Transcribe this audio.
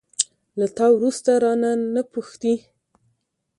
له تا وروسته، رانه، نه پوښتي